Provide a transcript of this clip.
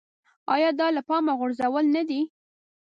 ایا دا له پامه غورځول نه دي.